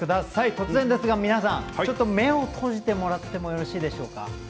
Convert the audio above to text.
突然ですが、皆さんちょっと目を閉じてもらってもよろしいでしょうか。